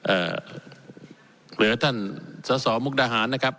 อ่าเดี๋ยวท่านสศมุคดาหานะครับ